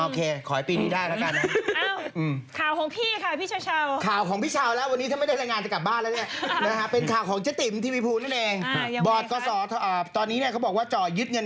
โอเคขอให้ปีนี้ได้แล้วกัน